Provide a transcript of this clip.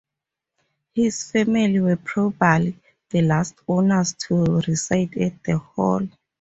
His family were probably the last owners to reside at the hall.